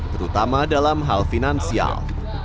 terutama dalam hal finansial